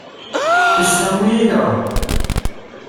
Ist ja mega!